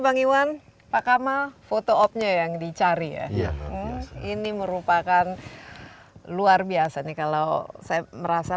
bang iwan pak kamal foto opnya yang dicari ya ini merupakan luar biasa nih kalau saya merasa